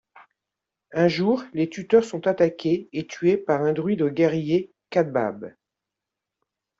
Un jour les tuteurs sont attaqués et tués par un druide guerrier Cathbad.